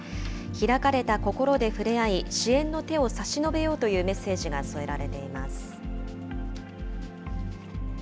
開かれた心で触れ合い、支援の手を差し伸べようというメッセージが添えられています。